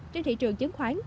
trên thị trường chứng khoán